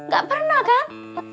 gak pernah kan